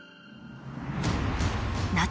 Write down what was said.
夏。